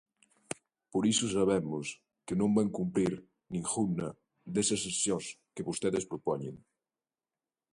Por iso sabemos que non van cumprir ningunha desas accións que vostedes propoñen.